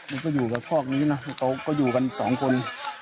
มันก็อยู่กับซอกนี้นะเขาก็อยู่กันสองคน